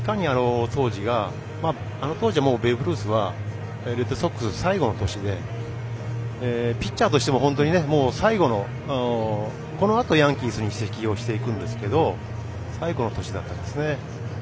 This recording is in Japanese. あの当時はベーブ・ルースはレッドソックス最後の年で、ピッチャーとしても最後の、このあとヤンキースに移籍をしていくんですけど最後の年だったんですね。